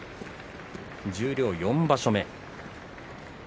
十両４場所目。